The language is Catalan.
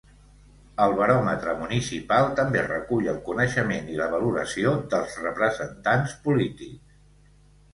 El baròmetre municipal també recull el coneixement i la valoració dels representants polítics.